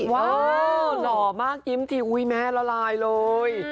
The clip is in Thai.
เหรอหล่อมากยิ้มทิ้งแม่ละลายเลย